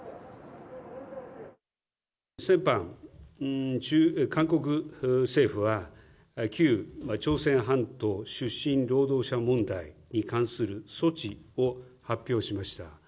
先般、韓国政府は、旧朝鮮半島出身労働者問題に関する措置を発表しました。